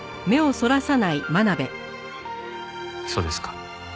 そうですか。